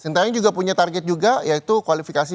centai juga punya target juga yaitu kualifikasi